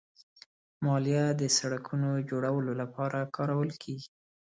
مالیه د سړکونو جوړولو لپاره کارول کېږي.